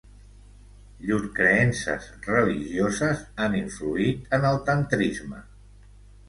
Llurs creences religioses han influït en el tantrisme.